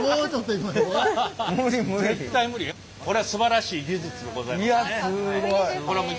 これはすばらしい技術でございますね。